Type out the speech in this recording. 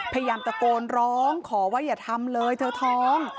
พยายามตะโกนร้องขอว่าอย่าทำเลยเธอท้อง